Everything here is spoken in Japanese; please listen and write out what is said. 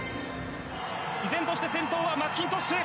依然として先頭はマッキントッシュ。